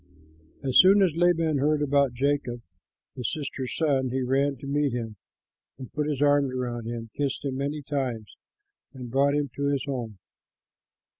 As soon as Laban heard about Jacob, his sister's son, he ran to meet him, put his arms around him, kissed him many times, and brought him to his home.